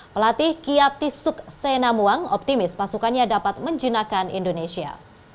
pelatih kiatisuk senamuang optimis pasukannya dapat menjinakkan indonesia